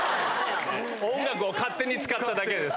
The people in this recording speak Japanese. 音楽を勝手に使っただけです。